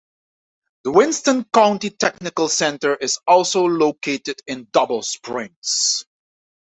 The Winston County Technical Center is also located in Double Springs.